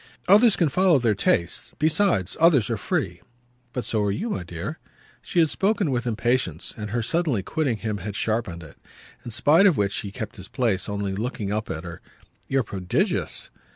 "Others can follow their tastes. Besides, others are free." "But so are you, my dear!" She had spoken with impatience, and her suddenly quitting him had sharpened it; in spite of which he kept his place, only looking up at her. "You're prodigious!"